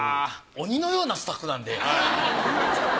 鬼のようなスタッフなんで。